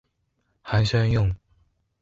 寒暄用